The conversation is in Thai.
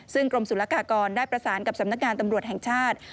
ซึ่งกรมศุลกากรได้ประสานกับสำนักงานตำรวจแห่งชาติ